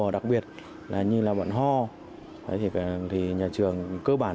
hay những mẫu kiếp trước